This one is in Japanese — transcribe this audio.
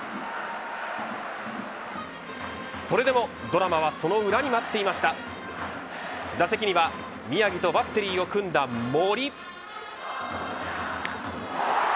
それでも、ドラマはその裏に待っていました打席には宮城とバッテリーを組んだ森。